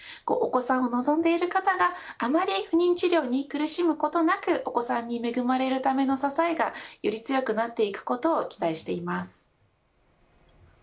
お子さんを望んでいる方があまり不妊治療に苦しむことなくお子さんに恵まれるための支えがより強くなっていくことを期待しています。